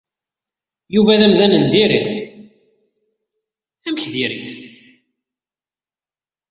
Yuba d amdan n diri. Amek diri-t?